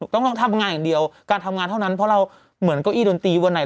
ต้องทำงานอย่างเดียวการทำงานเท่านั้นเพราะเราเหมือนเก้าอี้ดนตรีวันไหน